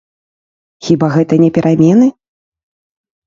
Хіба гэта не перамены?